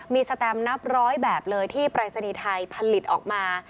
มีสแตมนับร้อยแบบเลยที่ปรายศนีย์ไทยผลิตออกมา